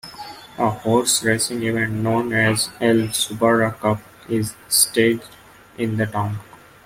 A horse racing event known as Al Zubarah Cup is staged in the town.